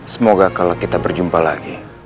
semoga kalau kita berjumpa lagi